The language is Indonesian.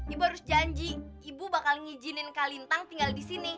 ibu harus janji ibu bakal ngijinin kak lintang tinggal disini